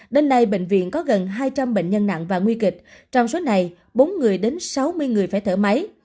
đến nay bệnh viện có gần hai trăm linh bệnh nhân nặng và nguy kịch trong số này bốn người đến sáu mươi người phải thở máy